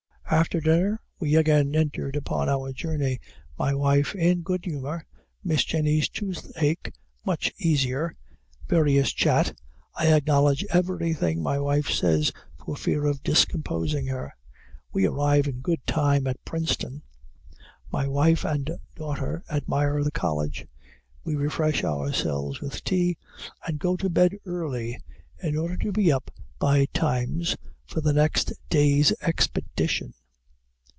After dinner we again entered upon our journey my wife in good humor Miss Jenny's toothache much easier various chat I acknowledge everything my wife says for fear of discomposing her. We arrive in good time at Princetown. My wife and daughter admire the College. We refresh ourselves with tea, and go to bed early, in order to be up by times for the next day's expedition.